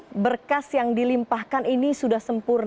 apakah kpk memang yakin berkas yang dilimpahkan ini sudah dikumpulkan